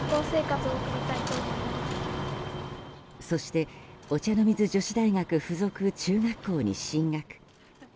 そして、お茶の水女子大附属中学校に進学。